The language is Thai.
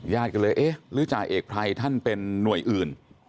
ญาติก็เลยเอ๊ะหรือจ่าเอกไพรท่านเป็นหน่วยอื่น